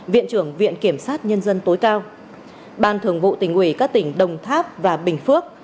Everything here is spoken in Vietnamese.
viện trưởng viện kiểm sát nhân dân tối cao ban thường vụ tỉnh ủy các tỉnh đồng tháp và bình phước